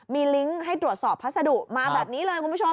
มีลิงก์ให้ตรวจสอบพัสดุมาแบบนี้เลยคุณผู้ชม